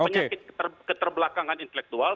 penyakit keterbelakangan intelektual